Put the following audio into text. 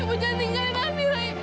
ibu jangan tinggalin anirai